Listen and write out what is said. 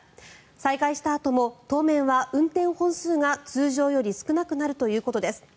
再開したあとも当面は運転本数が通常より少なくなるということです。